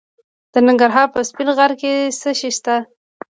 د ننګرهار په سپین غر کې څه شی شته؟